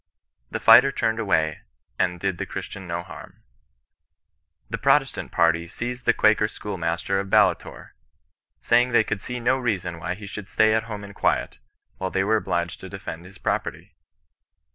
The fighter turned away and did the Christian no harm. The Protestant party seized the Quaker schoolmaster of Ballitore, saying they could see no reason why he should stay at home in quiet, while they were ohliged to defend his property.